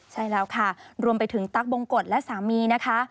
ใช่แล้วค่ะรวมไปถึงตั๊กบงกฎและสามีนะคะ